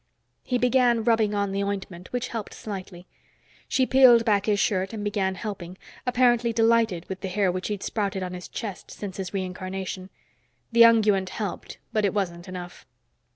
He began rubbing on the ointment, which helped slightly. She peeled back his shirt and began helping, apparently delighted with the hair which he'd sprouted on his chest since his reincarnation. The unguent helped, but it wasn't enough.